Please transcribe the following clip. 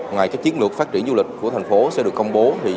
ngoài các chiến lược phát triển du lịch của thành phố sẽ được công bố